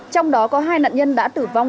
trong đó có hai nạn nhân đã tử vong